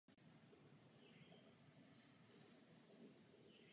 Byl členem Klubu výtvarných umělců Aleš.